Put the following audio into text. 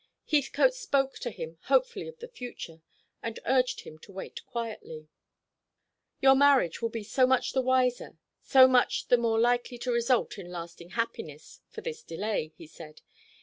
Heathcote spoke to him hopefully of the future, and urged him to wait quietly. "Your marriage will be so much the wiser, so much the more likely to result in lasting happiness, for this delay," he said.